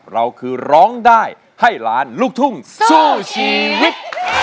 เราคือร้องได้ให้ล้านลูกทุ่งสู้ชีวิต